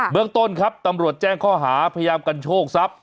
เมืองต้นครับตำรวจแจ้งข้อหาพยายามกันโชคทรัพย